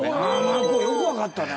よく分かったね